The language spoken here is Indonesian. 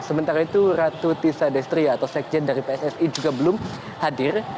sementara itu ratu tisa destri atau sekjen dari pssi juga belum hadir